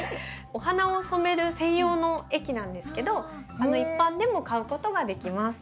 お花を染める専用の液なんですけど一般でも買うことができます。